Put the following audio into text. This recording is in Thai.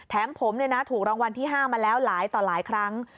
ผมถูกรางวัลที่๕มาแล้วหลายต่อหลายครั้ง